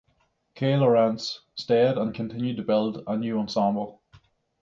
Kay Lorentz stayed and continued to build a new ensemble.